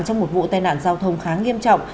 trong một vụ tai nạn giao thông khá nghiêm trọng